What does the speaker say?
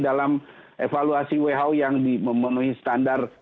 dalam evaluasi who yang memenuhi standar